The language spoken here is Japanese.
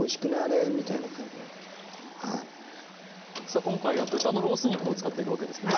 さあ今回は豚のロース肉を使っていくわけですね。